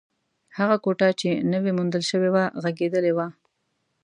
هغه کوټه چې نوې موندل شوې وه، غږېدلې وه.